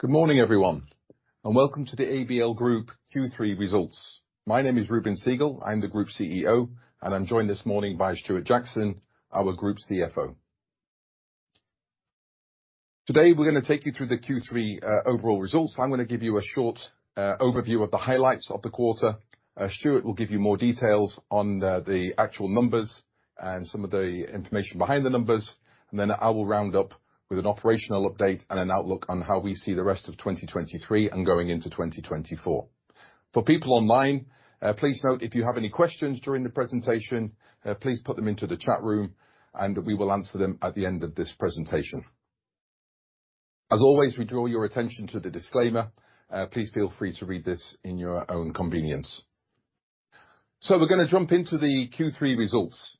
Good morning, everyone, and welcome to the ABL Group Q3 results. My name is Reuben Segal, I'm the Group CEO, and I'm joined this morning by Stuart Jackson, our Group CFO. Today, we're gonna take you through the Q3 overall results. I'm gonna give you a short overview of the highlights of the quarter. Stuart will give you more details on the actual numbers and some of the information behind the numbers, and then I will round up with an operational update and an outlook on how we see the rest of 2023 and going into 2024. For people online, please note, if you have any questions during the presentation, please put them into the chat room, and we will answer them at the end of this presentation. As always, we draw your attention to the disclaimer. Please feel free to read this in your own convenience. So we're gonna jump into the Q3 results.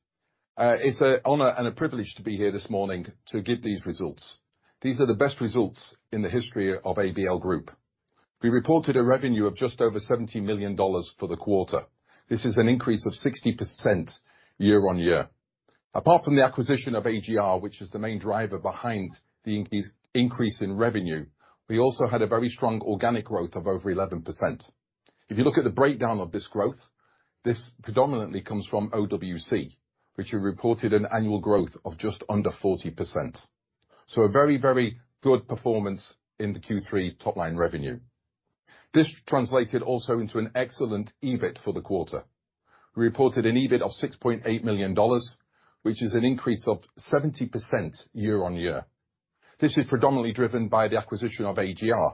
It's an honor and a privilege to be here this morning to give these results. These are the best results in the history of ABL Group. We reported a revenue of just over $70 million for the quarter. This is an increase of 60% year-on-year. Apart from the acquisition of AGR, which is the main driver behind the increase, increase in revenue, we also had a very strong organic growth of over 11%. If you look at the breakdown of this growth, this predominantly comes from OWC, which we reported an annual growth of just under 40%. So a very, very good performance in the Q3 top-line revenue. This translated also into an excellent EBIT for the quarter. We reported an EBIT of $6.8 million, which is an increase of 70% year-on-year. This is predominantly driven by the acquisition of AGR,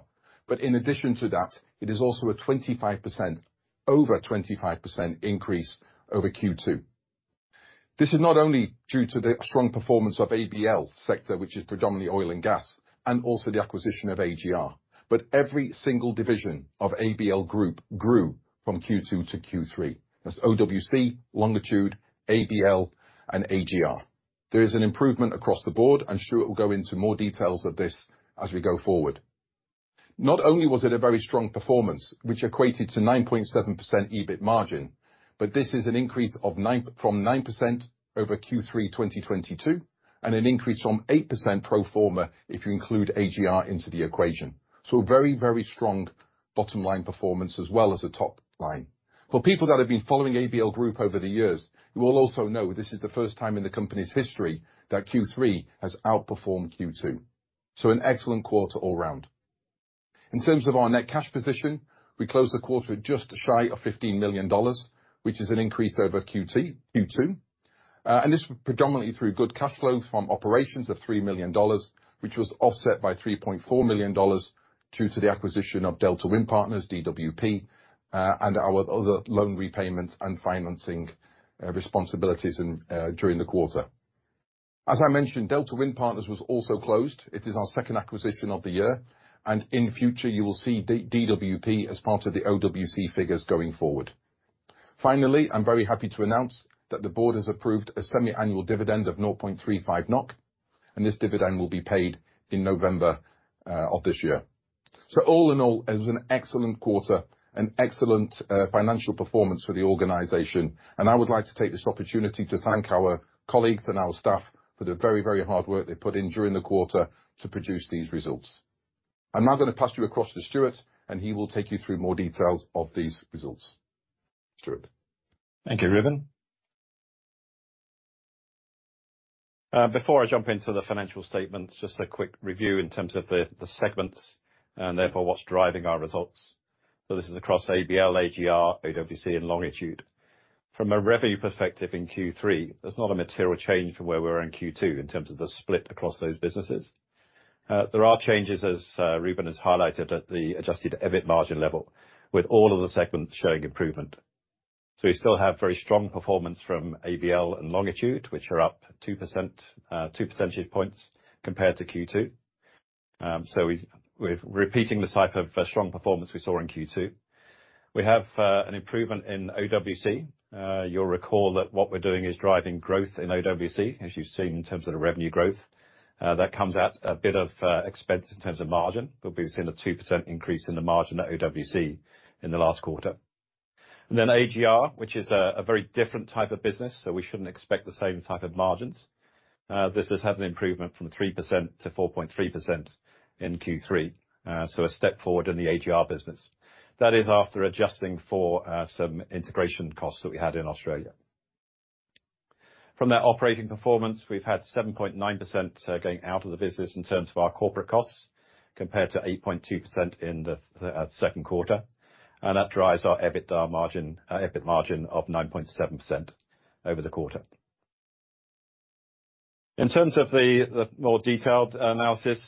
but in addition to that, it is also a 25% over a 25% increase over Q2. This is not only due to the strong performance of ABL sector, which is predominantly oil and gas, and also the acquisition of AGR, but every single division of ABL Group grew from Q2 to Q3. That's OWC, Longitude, ABL, and AGR. There is an improvement across the board, and Stuart will go into more details of this as we go forward. Not only was it a very strong performance, which equated to 9.7% EBIT margin, but this is an increase of 9% from 9% over Q3 2022, and an increase from 8% pro forma, if you include AGR into the equation. So a very, very strong bottom line performance as well as a top line. For people that have been following ABL Group over the years, you will also know this is the first time in the company's history that Q3 has outperformed Q2, so an excellent quarter all round. In terms of our net cash position, we closed the quarter just shy of $15 million, which is an increase over Q2. This was predominantly through good cash flows from operations of $3 million, which was offset by $3.4 million due to the acquisition of Delta Wind Partners, DWP, and our other loan repayments and financing responsibilities during the quarter. As I mentioned, Delta Wind Partners was also closed. It is our second acquisition of the year, and in future, you will see DWP as part of the OWC figures going forward. Finally, I'm very happy to announce that the board has approved a semi-annual dividend of 0.35 NOK, and this dividend will be paid in November of this year. So all in all, it was an excellent quarter and excellent financial performance for the organization, and I would like to take this opportunity to thank our colleagues and our staff for the very, very hard work they put in during the quarter to produce these results. I'm now gonna pass you across to Stuart, and he will take you through more details of these results. Stuart? Thank you, Reuben. Before I jump into the financial statements, just a quick review in terms of the segments and therefore what's driving our results. So this is across ABL, AGR, OWC, and Longitude. From a revenue perspective in Q3, there's not a material change from where we were in Q2 in terms of the split across those businesses. There are changes, as Reuben has highlighted, at the adjusted EBIT margin level, with all of the segments showing improvement. So we still have very strong performance from ABL and Longitude, which are up 2%, two percentage points compared to Q2. So we're repeating the type of strong performance we saw in Q2. We have an improvement in OWC. You'll recall that what we're doing is driving growth in OWC, as you've seen in terms of the revenue growth. That comes at a bit of expense in terms of margin. We'll be seeing a 2% increase in the margin at OWC in the last quarter. And then AGR, which is a very different type of business, so we shouldn't expect the same type of margins. This has had an improvement from 3%-4.3% in Q3, so a step forward in the AGR business. That is after adjusting for some integration costs that we had in Australia. From that operating performance, we've had 7.9% going out of the business in terms of our corporate costs, compared to 8.2% in the second quarter, and that drives our EBITDA margin, EBIT margin of 9.7% over the quarter. In terms of the more detailed analysis,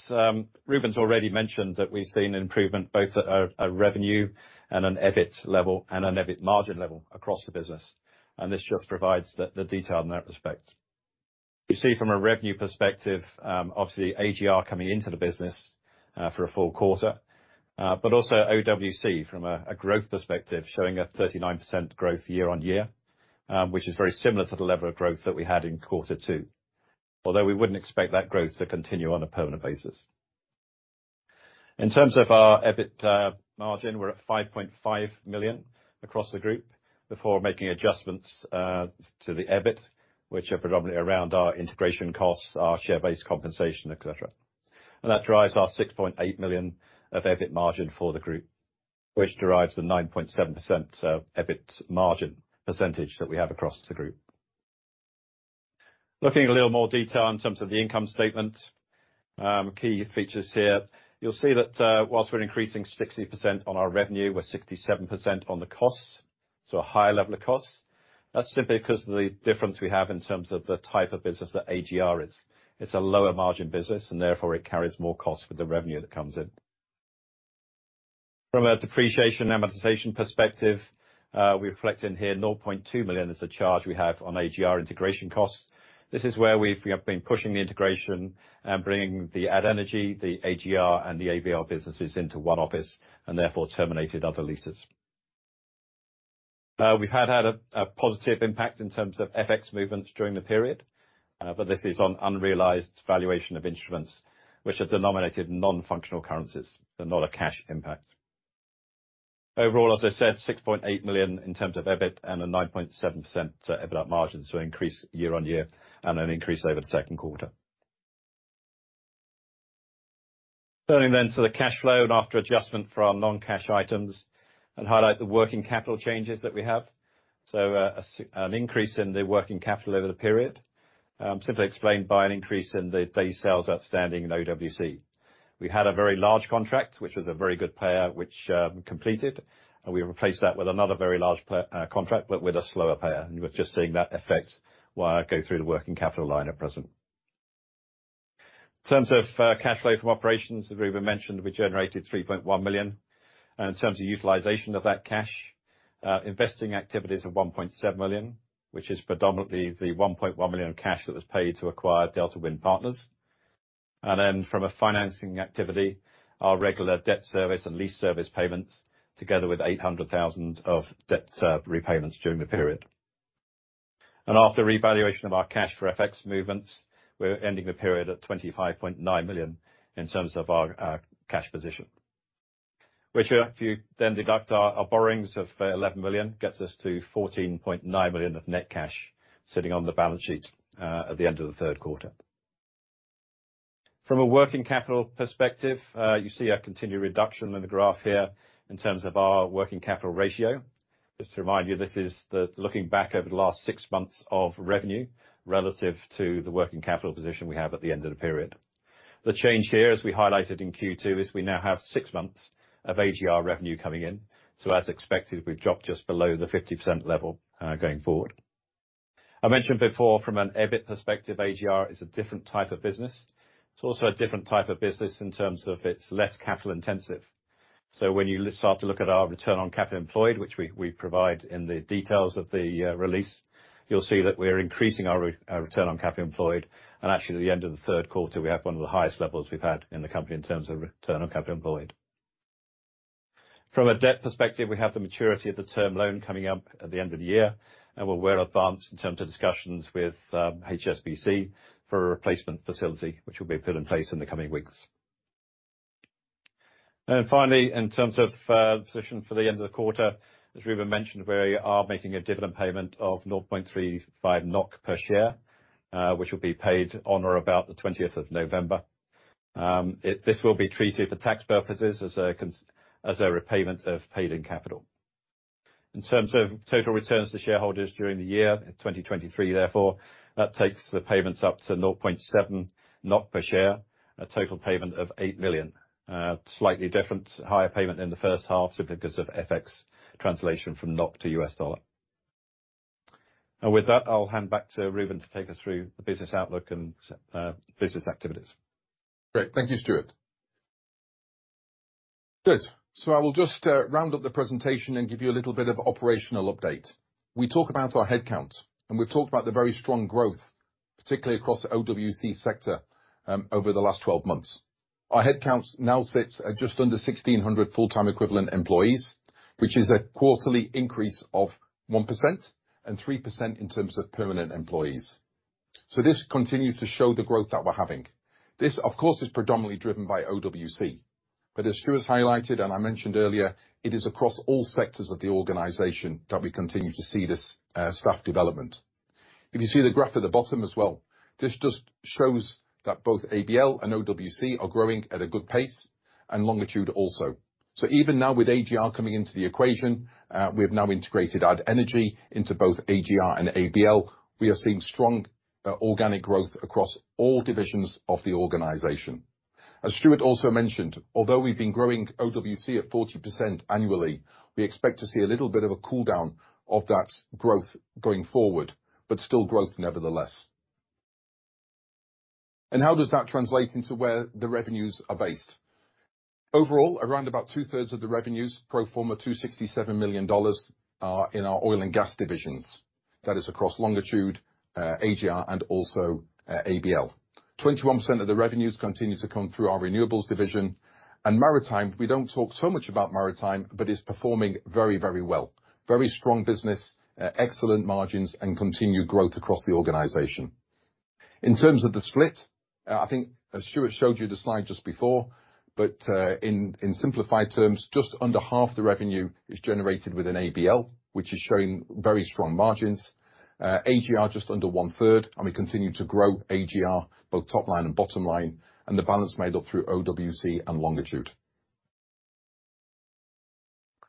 Reuben's already mentioned that we've seen an improvement both at a revenue and an EBIT level, and an EBIT margin level across the business, and this just provides the detail in that respect. You see from a revenue perspective, obviously, AGR coming into the business, for a full quarter, but also OWC, from a growth perspective, showing a 39% growth year-over-year, which is very similar to the level of growth that we had in quarter two, although we wouldn't expect that growth to continue on a permanent basis. In terms of our EBIT margin, we're at $5.5 million across the group before making adjustments to the EBIT, which are predominantly around our integration costs, our share-based compensation, et cetera. That drives our $6.8 million of EBIT margin for the group, which derives the 9.7% of EBIT margin percentage that we have across the group. Looking in a little more detail in terms of the income statement, key features here, you'll see that, while we're increasing 60% on our revenue, we're 67% on the costs, so a higher level of costs. That's simply because of the difference we have in terms of the type of business that AGR is. It's a lower margin business, and therefore, it carries more costs for the revenue that comes in. From a depreciation amortization perspective, we reflect in here $0.2 million is a charge we have on AGR integration costs. This is where we've been pushing the integration and bringing the Add Energy, the AGR, and the ABL businesses into one office, and therefore, terminated other leases. We've had a positive impact in terms of FX movements during the period, but this is on unrealized valuation of instruments which are denominated non-functional currencies and not a cash impact. Overall, as I said, $6.8 million in terms of EBIT and a 9.7% EBIT margins, so increase year-on-year and an increase over the second quarter. Turning then to the cash flow and after adjustment for our non-cash items and highlight the working capital changes that we have. So, an increase in the working capital over the period, simply explained by an increase in the day sales outstanding in OWC. We had a very large contract, which was a very good payer, which completed, and we replaced that with another very large pay contract, but with a slower payer. And we're just seeing that effect while I go through the working capital line at present. In terms of cash flow from operations, as Reuben mentioned, we generated $3.1 million. And in terms of utilization of that cash, investing activities of $1.7 million, which is predominantly the $1.1 million in cash that was paid to acquire Delta Wind Partners. And then from a financing activity, our regular debt service and lease service payments, together with $800,000 of debt repayments during the period. After revaluation of our cash for FX movements, we're ending the period at $25.9 million in terms of our cash position, which if you then deduct our borrowings of $11 million, gets us to $14.9 million of net cash sitting on the balance sheet at the end of the third quarter. From a working capital perspective, you see a continued reduction in the graph here in terms of our working capital ratio. Just to remind you, this is looking back over the last six months of revenue relative to the working capital position we have at the end of the period. The change here, as we highlighted in Q2, is we now have six months of AGR revenue coming in, so as expected, we've dropped just below the 50% level, going forward. I mentioned before, from an EBIT perspective, AGR is a different type of business. It's also a different type of business in terms of it's less capital intensive. So when you start to look at our return on capital employed, which we provide in the details of the release, you'll see that we're increasing our return on capital employed, and actually, the end of the third quarter, we have one of the highest levels we've had in the company in terms of return on capital employed. From a debt perspective, we have the maturity of the term loan coming up at the end of the year, and we're well advanced in terms of discussions with HSBC for a replacement facility, which will be put in place in the coming weeks. And finally, in terms of position for the end of the quarter, as Reuben mentioned, we are making a dividend payment of 0.35 NOK per share, which will be paid on or about the November 20th. This will be treated for tax purposes as a repayment of paid in capital. In terms of total returns to shareholders during the year, in 2023, therefore, that takes the payments up to 0.7 per share, a total payment of 8 million. Slightly different, higher payment than the first half, simply because of FX translation from NOK to US dollar. And with that, I'll hand back to Reuben to take us through the business outlook and business activities. Great. Thank you, Stuart. Good. So I will just round up the presentation and give you a little bit of operational update. We talk about our headcounts, and we've talked about the very strong growth, particularly across the OWC sector over the last 12 months. Our headcounts now sits at just under 1,600 full-time equivalent employees, which is a quarterly increase of 1% and 3% in terms of permanent employees. So this continues to show the growth that we're having. This, of course, is predominantly driven by OWC, but as Stuart has highlighted and I mentioned earlier, it is across all sectors of the organization that we continue to see this staff development. If you see the graph at the bottom as well, this just shows that both ABL and OWC are growing at a good pace, and Longitude also. So even now with AGR coming into the equation, we've now integrated Add Energy into both AGR and ABL. We are seeing strong, organic growth across all divisions of the organization. As Stuart also mentioned, although we've been growing OWC at 40% annually, we expect to see a little bit of a cool down of that growth going forward, but still growth nevertheless. And how does that translate into where the revenues are based? Overall, around about 2/3 of the revenues, pro forma $267 million, are in our Oil and Gas divisions. That is across Longitude, AGR, and also, ABL. 21% of the revenues continue to come through our renewables division. And maritime, we don't talk so much about maritime, but is performing very, very well. Very strong business, excellent margins, and continued growth across the organization.... In terms of the split, I think, as Stuart showed you the slide just before, but in simplified terms, just under half the revenue is generated within ABL, which is showing very strong margins. AGR, just under one-third, and we continue to grow AGR, both top line and bottom line, and the balance made up through OWC and Longitude.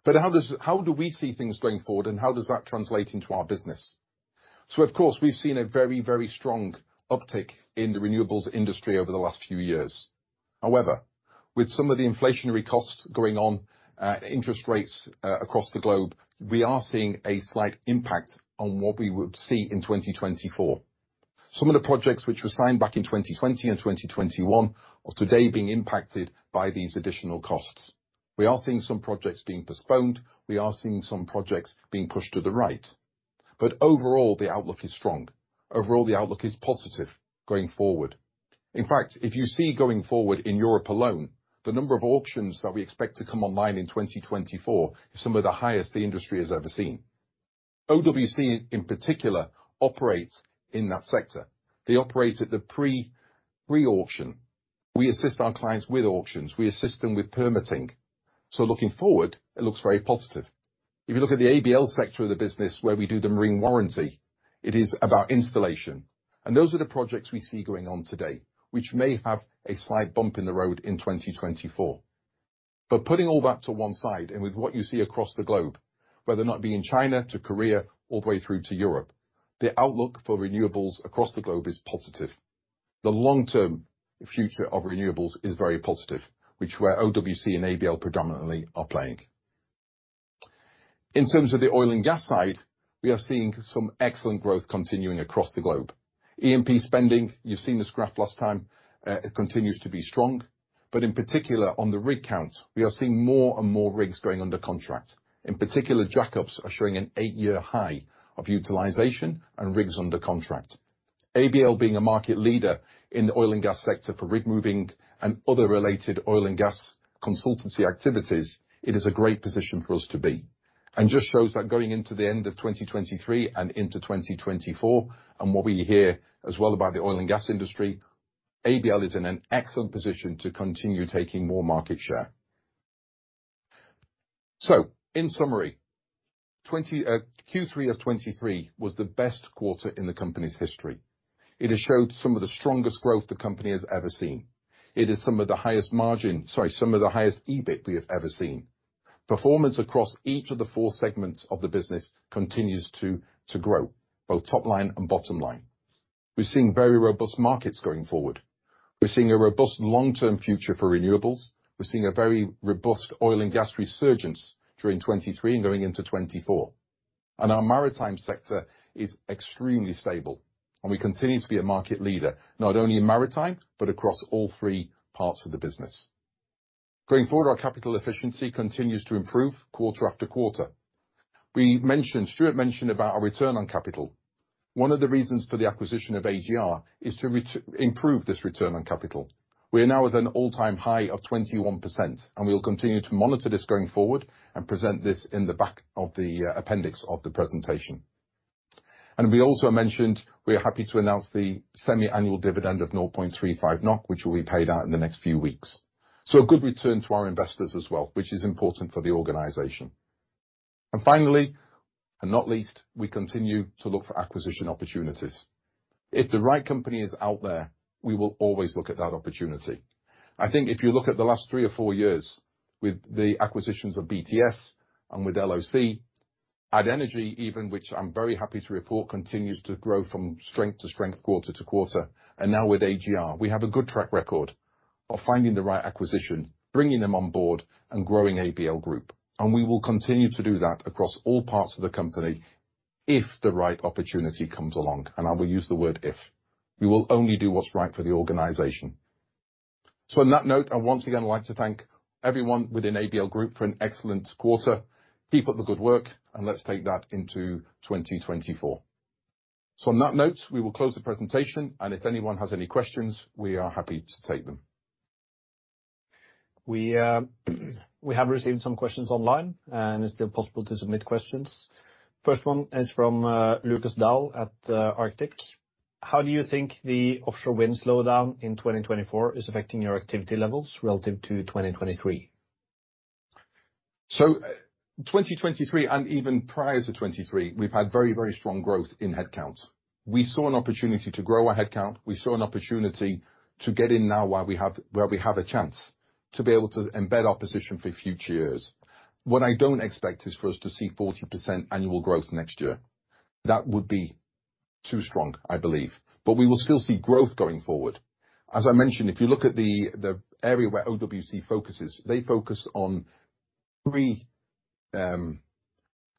But how do we see things going forward, and how does that translate into our business? So of course, we've seen a very, very strong uptick in the renewables industry over the last few years. However, with some of the inflationary costs going on, interest rates across the globe, we are seeing a slight impact on what we would see in 2024. Some of the projects which were signed back in 2020 and 2021, are today being impacted by these additional costs. We are seeing some projects being postponed. We are seeing some projects being pushed to the right. But overall, the outlook is strong. Overall, the outlook is positive going forward. In fact, if you see going forward in Europe alone, the number of auctions that we expect to come online in 2024 is some of the highest the industry has ever seen. OWC, in particular, operates in that sector. They operate at the pre-pre-auction. We assist our clients with auctions. We assist them with permitting. So looking forward, it looks very positive. If you look at the ABL sector of the business, where we do the marine warranty, it is about installation, and those are the projects we see going on today, which may have a slight bump in the road in 2024. But putting all that to one side, and with what you see across the globe, whether or not being in China, to Korea, all the way through to Europe, the outlook for renewables across the globe is positive. The long-term future of renewables is very positive, which where OWC and ABL predominantly are playing. In terms of the oil and gas side, we are seeing some excellent growth continuing across the globe. E&P spending, you've seen this graph last time, it continues to be strong, but in particular, on the rig count, we are seeing more and more rigs going under contract. In particular, jack-ups are showing an eight-year high of utilization and rigs under contract. ABL being a market leader in the oil and gas sector for rig moving and other related oil and gas consultancy activities, it is a great position for us to be. And just shows that going into the end of 2023 and into 2024, and what we hear as well about the oil and gas industry, ABL is in an excellent position to continue taking more market share. So in summary, Q3 of 2023 was the best quarter in the company's history. It has showed some of the strongest growth the company has ever seen. It is some of the highest margin—sorry, some of the highest EBIT we have ever seen. Performance across each of the four segments of the business continues to grow, both top line and bottom line. We're seeing very robust markets going forward. We're seeing a robust long-term future for renewables. We're seeing a very robust oil and gas resurgence during 2023 and going into 2024. Our maritime sector is extremely stable, and we continue to be a market leader, not only in maritime, but across all three parts of the business. Going forward, our capital efficiency continues to improve quarter after quarter. We mentioned, Stuart mentioned about our return on capital. One of the reasons for the acquisition of AGR is to improve this return on capital. We are now at an all-time high of 21%, and we will continue to monitor this going forward and present this in the back of the appendix of the presentation. We also mentioned we are happy to announce the semi-annual dividend of 0.35 NOK, which will be paid out in the next few weeks. So a good return to our investors as well, which is important for the organization. And finally, and not least, we continue to look for acquisition opportunities. If the right company is out there, we will always look at that opportunity. I think if you look at the last three or four years with the acquisitions of BTS and with LOC, Add Energy even, which I'm very happy to report, continues to grow from strength to strength, quarter to quarter, and now with AGR. We have a good track record of finding the right acquisition, bringing them on board, and growing ABL Group, and we will continue to do that across all parts of the company if the right opportunity comes along, and I will use the word "if." We will only do what's right for the organization. So on that note, I once again would like to thank everyone within ABL Group for an excellent quarter. Keep up the good work, and let's take that into 2024. So on that note, we will close the presentation, and if anyone has any questions, we are happy to take them. We have received some questions online, and it's still possible to submit questions. First one is from Lukas Daul at Arctic Securities: "How do you think the offshore wind slowdown in 2024 is affecting your activity levels relative to 2023? So 2023, and even prior to 2023, we've had very, very strong growth in headcount. We saw an opportunity to grow our headcount. We saw an opportunity to get in now while we have a chance to be able to embed our position for future years. What I don't expect is for us to see 40% annual growth next year. That would be too strong, I believe, but we will still see growth going forward. As I mentioned,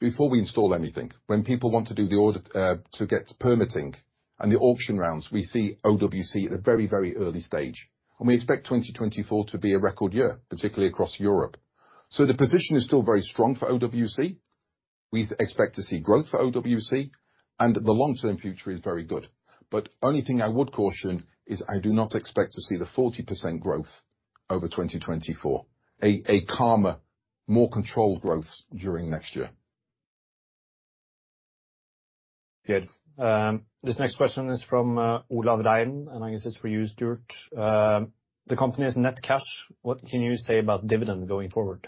if you look at the area where OWC focuses, they focus on pre-Before we install anything, when people want to do the audit to get permitting and the auction rounds, we see OWC at a very, very early stage, and we expect 2024 to be a record year, particularly across Europe.So the position is still very strong for OWC. We expect to see growth for OWC, and the long-term future is very good. But only thing I would caution is I do not expect to see the 40% growth over 2024. A calmer, more controlled growth during next year. Good. This next question is from Olav Rian, and I guess it's for you, Stuart. The company's net cash, what can you say about dividend going forward?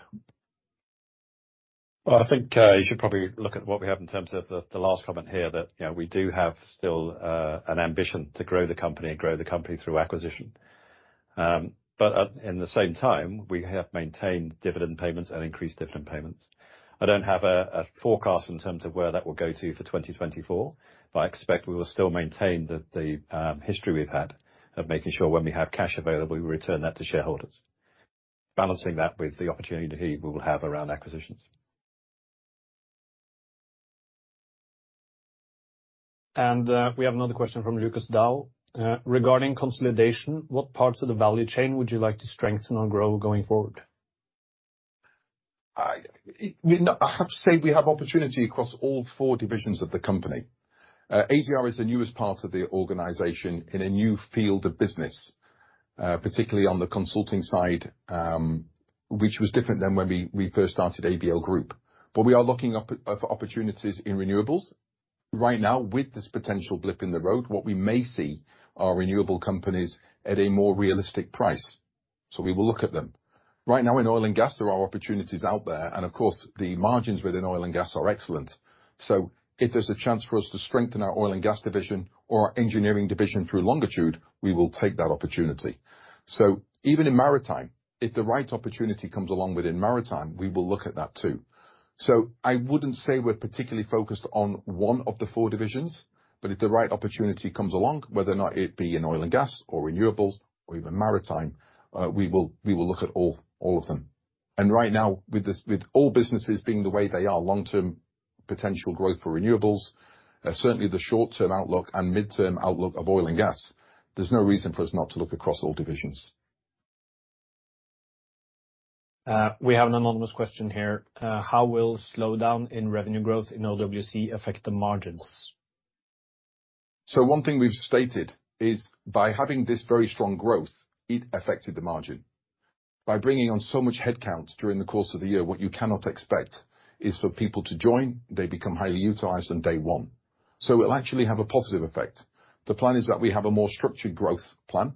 Well, I think, you should probably look at what we have in terms of the last comment here, that, you know, we do have still, an ambition to grow the company and grow the company through acquisition. But at the same time, we have maintained dividend payments and increased dividend payments. I don't have a forecast in terms of where that will go to for 2024, but I expect we will still maintain the history we've had, of making sure when we have cash available, we return that to shareholders. Balancing that with the opportunity we will have around acquisitions. We have another question from Lukas Daul. "Regarding consolidation, what parts of the value chain would you like to strengthen or grow going forward? I have to say, we have opportunity across all four divisions of the company. AGR is the newest part of the organization in a new field of business, particularly on the consulting side, which was different than when we first started ABL Group. But we are looking for opportunities in renewables. Right now, with this potential blip in the road, what we may see are renewable companies at a more realistic price. So we will look at them. Right now in oil and gas, there are opportunities out there, and of course, the margins within oil and gas are excellent. So if there's a chance for us to strengthen our oil and gas division or our engineering division through Longitude, we will take that opportunity. So even in maritime, if the right opportunity comes along within maritime, we will look at that too. So I wouldn't say we're particularly focused on one of the four divisions, but if the right opportunity comes along, whether or not it be in oil and gas or renewables or even maritime, we will look at all of them. And right now, with this, with all businesses being the way they are, long-term potential growth for renewables, certainly the short-term outlook and midterm outlook of oil and gas, there's no reason for us not to look across all divisions. We have an anonymous question here. "How will slowdown in revenue growth in OWC affect the margins? So one thing we've stated is by having this very strong growth, it affected the margin. By bringing on so much headcount during the course of the year, what you cannot expect is for people to join, they become highly utilized on day one. So it'll actually have a positive effect. The plan is that we have a more structured growth plan,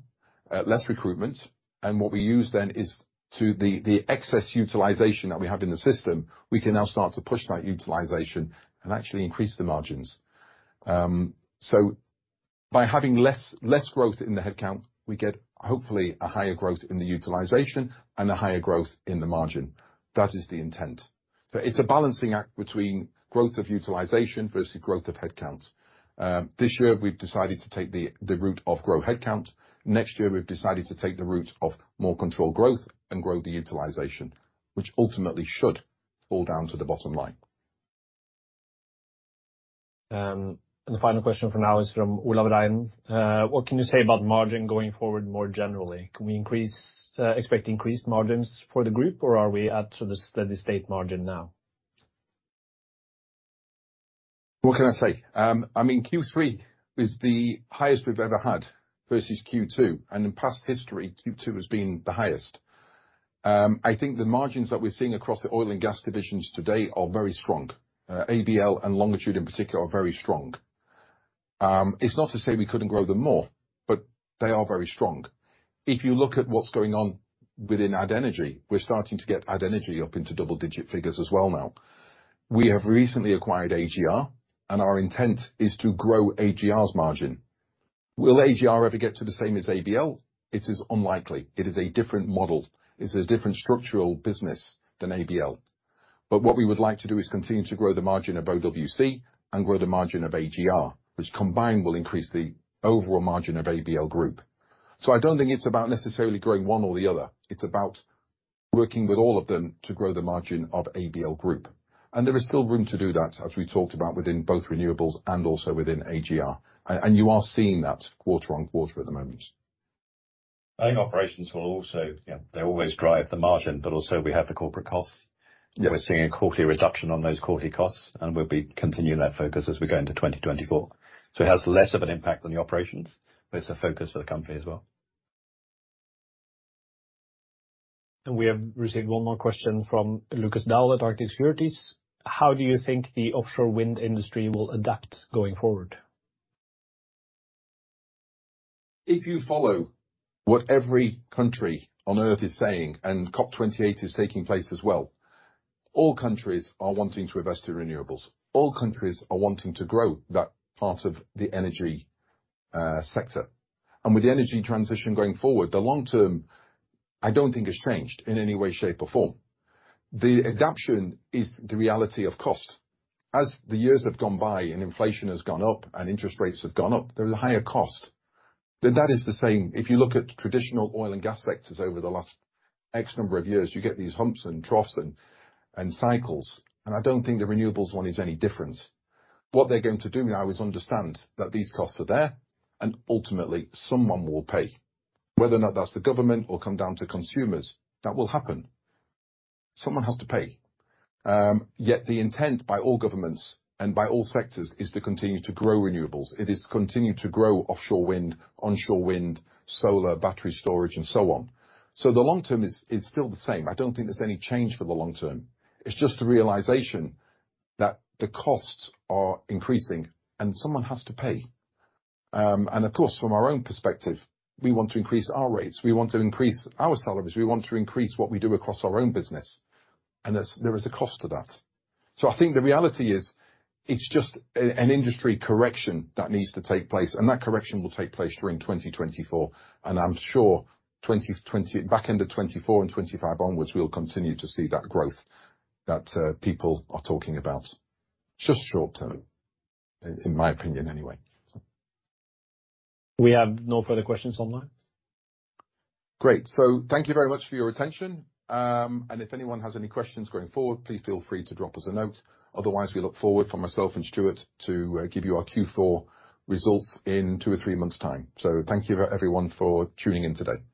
less recruitment, and what we use then is to the excess utilization that we have in the system, we can now start to push that utilization and actually increase the margins. So by having less growth in the headcount, we get, hopefully, a higher growth in the utilization and a higher growth in the margin. That is the intent. So it's a balancing act between growth of utilization versus growth of headcount. This year, we've decided to take the route of grow headcount. Next year, we've decided to take the route of more controlled growth and grow the utilization, which ultimately should fall down to the bottom line. The final question for now is from Olav Rian: "What can you say about margin going forward more generally? Can we increase, expect increased margins for the group, or are we at to the steady state margin now? What can I say? I mean, Q3 is the highest we've ever had versus Q2, and in past history, Q2 has been the highest. I think the margins that we're seeing across the oil and gas divisions today are very strong. ABL and Longitude, in particular, are very strong. It's not to say we couldn't grow them more, but they are very strong. If you look at what's going on within Add Energy, we're starting to get Add Energy up into double-digit figures as well now. We have recently acquired AGR, and our intent is to grow AGR's margin. Will AGR ever get to the same as ABL? It is unlikely. It is a different model. It's a different structural business than ABL. But what we would like to do is continue to grow the margin of OWC and grow the margin of AGR, which combined will increase the overall margin of ABL Group. So I don't think it's about necessarily growing one or the other. It's about working with all of them to grow the margin of ABL Group. And there is still room to do that, as we talked about, within both renewables and also within AGR. And you are seeing that quarter-on-quarter at the moment. I think operations will also... Yeah, they always drive the margin, but also we have the corporate costs. Yeah. We're seeing a quarterly reduction on those quarterly costs, and we'll be continuing that focus as we go into 2024. So it has less of an impact on the operations, but it's a focus for the company as well. We have received one more question from Lukas Daul at Arctic Securities: "How do you think the offshore wind industry will adapt going forward? If you follow what every country on Earth is saying, and COP28 is taking place as well, all countries are wanting to invest in renewables. All countries are wanting to grow that part of the energy sector. With the energy transition going forward, the long term, I don't think has changed in any way, shape, or form. The adaptation is the reality of cost. As the years have gone by and inflation has gone up and interest rates have gone up, there is a higher cost. But that is the same. If you look at traditional oil and gas sectors over the last X number of years, you get these humps and troughs and cycles, and I don't think the renewables one is any different. What they're going to do now is understand that these costs are there, and ultimately someone will pay. Whether or not that's the government or come down to consumers, that will happen. Yet the intent by all governments and by all sectors is to continue to grow renewables. It is continue to grow offshore wind, onshore wind, solar, battery storage, and so on. So the long term is, is still the same. I don't think there's any change for the long term. It's just a realization that the costs are increasing and someone has to pay. And of course, from our own perspective, we want to increase our rates, we want to increase our salaries, we want to increase what we do across our own business, and there's, there is a cost to that. So I think the reality is, it's just an industry correction that needs to take place, and that correction will take place during 2024, and I'm sure back end of 2024 and 2025 onwards, we'll continue to see that growth that people are talking about. Just short term, in my opinion, anyway, so. We have no further questions online. Great. So thank you very much for your attention. And if anyone has any questions going forward, please feel free to drop us a note. Otherwise, we look forward, for myself and Stuart, to give you our Q4 results in two or three months' time. So thank you everyone for tuning in today.